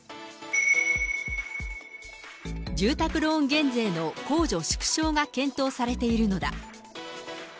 住宅ローン減税の控除縮小が検討されているのだ。